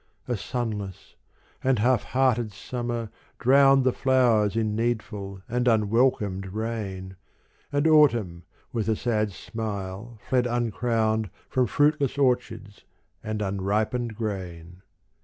A sunless and half hearted summer drowned The flowers in needful and unwelcomed rain : And Autumn with a sad smile fled uncrowned From fruitless orchards and unripened grain.